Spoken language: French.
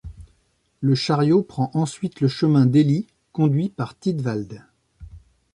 Le chariot prend ensuite le chemin d'Ely, conduit par Tídwald.